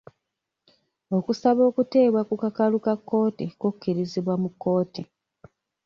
Okusaba okuteebwa ku kakalu ka kkooti kukirizibwa mu kkooti.